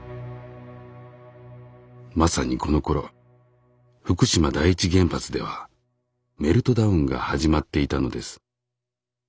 まさにこのころ福島第一原発ではメルトダウンが始まっていたのです。